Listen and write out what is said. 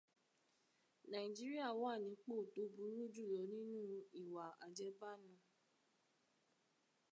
Nàíjíríà wà nípò tó burú jùlọ nínú ìwà àjẹbánu.